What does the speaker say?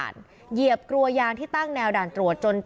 มีกล้วยติดอยู่ใต้ท้องเดี๋ยวพี่ขอบคุณ